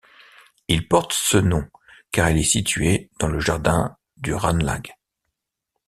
Il porte ce nom car il est situé dans le jardin du Ranelagh.